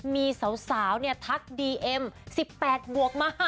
มีสาวทักดีเอ็ม๑๘บวกมา๕